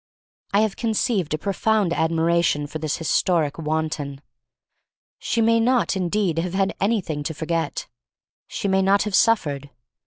I have conceived a pro found admiration for this historic wan ton. She may not indeed have had anything to forget; she may not have suffered.